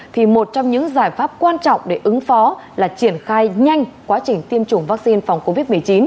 thì một trong những giải pháp quan trọng để ứng phó là triển khai nhanh quá trình tiêm chủng vaccine phòng covid một mươi chín